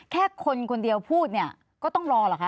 แค่คนคนเดียวพูดเนี่ยก็ต้องรอหรอกค่ะ